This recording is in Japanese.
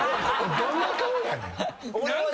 どんな顔やねん。